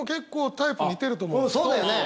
そうだよね。